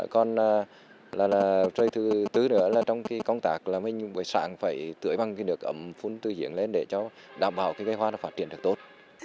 còn rồi thứ tư nữa là trong công tác là mình phải sẵn phải tưới bằng nước ấm phun tư diễn lên để đảm bảo cây hoa phát triển được tốt